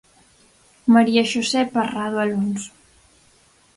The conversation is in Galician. María Xosé Parrado Alonso.